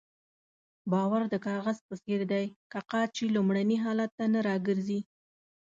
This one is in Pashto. باور د کاغذ په څېر دی که قات شي لومړني حالت ته نه راګرځي.